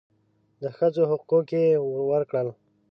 د ښځو حقوق یې ورکړل.